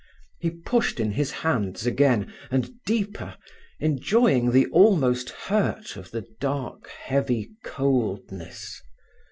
He pushed in his hands again and deeper, enjoying the almost hurt of the dark, heavy coldness.